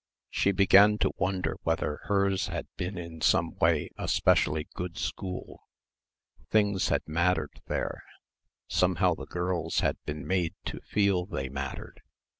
4 She began to wonder whether hers had been in some way a specially good school. Things had mattered there. Somehow the girls had been made to feel they mattered.